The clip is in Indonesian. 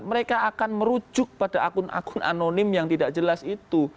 mereka akan merujuk pada akun akun anonim yang tidak jelas itu